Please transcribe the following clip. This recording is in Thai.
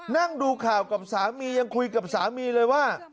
นั่งดูข่าวกับสามียังคุยกับสามีเลยว่า